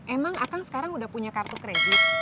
emang akan sekarang udah punya kartu kredit